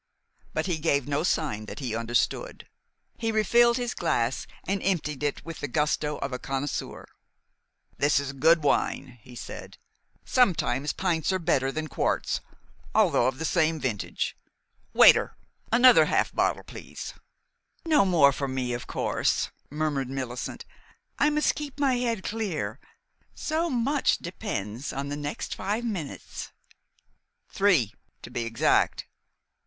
But he gave no sign that he understood. He refilled his glass, and emptied it with the gusto of a connoisseur. "That is a good wine," he said. "Sometimes pints are better than quarts, although of the same vintage. Waiter, another half bottle, please." "No more for me, of course," murmured Millicent. "I must keep my head clear, so much depends on the next five minutes." "Three, to be exact."